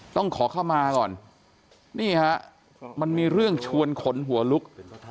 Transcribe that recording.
ต้องขอเข้ามาก่อนนี่ฮะมันมีเรื่องชวนขนหัวลุก